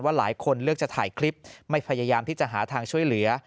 หลายคนเลือกจะถ่ายคลิปไม่พยายามที่จะหาทางช่วยเหลือ